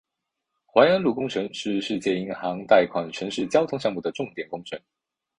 槐安路工程是世界银行贷款城市交通项目的重点工程。